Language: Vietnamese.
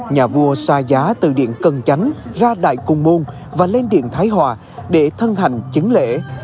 nhà vua xa giá từ điện cần tránh ra đại cùng môn và lên điện thái hòa để thân hành chứng lễ